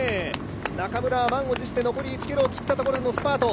中村は満を持して残り１ｋｍを切ったところのスパート。